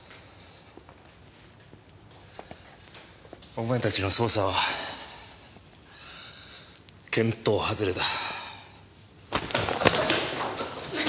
お前たちの捜査は見当外れだ。